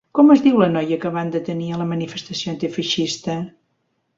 Com es diu la noia que van detenir a la manifestació antifeixista?